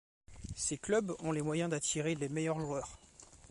Ces clubs ont les moyens d'attirer les meilleurs joueurs.